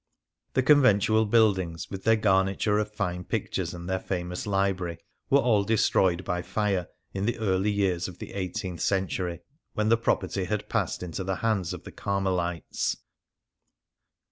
The conventual build ings, with their garniture of fine pictures and their famous library, were all destroyed by fire in the early years of the eighteenth century, when the property had passed into the hands of the Carmelites.